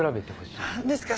何ですか？